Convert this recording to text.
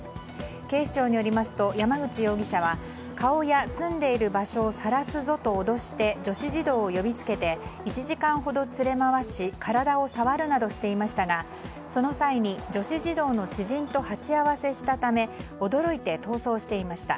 警視庁によりますと山口容疑者は顔や住んでいる場所をさらすぞと脅して女子児童を呼びつけて１時間ほど連れ回し体を触るなどしていましたがその際に女子児童の知人と鉢合わせしたため驚いて逃走していました。